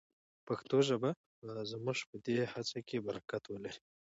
پښتو ژبه به زموږ په دې هڅه کې برکت ولري.